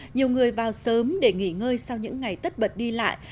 nhiều người vào sớm để nghỉ ngơi sau những ngày tất bật đi lại